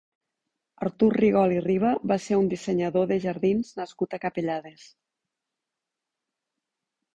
Artur Rigol i Riba va ser un dissenyador de jardins nascut a Capellades.